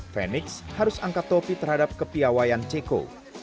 fenix harus angkat topi terhadap kepiawaian ceko